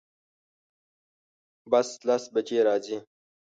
بس لس بجی راځي